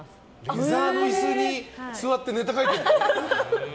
レザーの椅子に座ってネタ書いてるの？